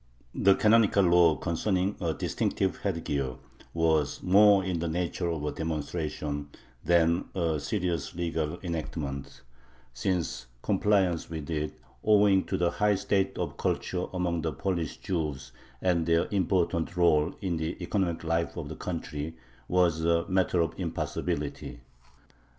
The canonical law concerning a distinctive headgear was more in the nature of a demonstration than a serious legal enactment, since compliance with it, owing to the high state of culture among the Polish Jews and their important rôle in the economic life of the country, was a matter of impossibility.